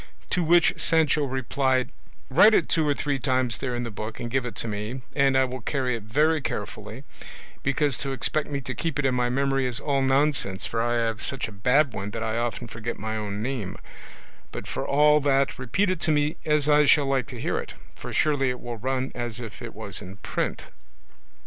To which Sancho replied, "Write it two or three times there in the book and give it to me, and I will carry it very carefully, because to expect me to keep it in my memory is all nonsense, for I have such a bad one that I often forget my own name; but for all that repeat it to me, as I shall like to hear it, for surely it will run as if it was in print."